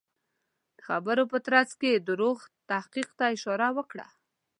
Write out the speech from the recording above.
د خبرو په ترڅ کې دروغ تحقیق ته اشاره وکړه.